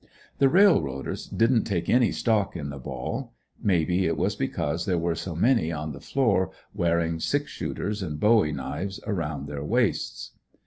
The railroaders didn't take any stock in the ball. Maybe it was because there were so many on the floor wearing six shooters and bowie knives around their waists.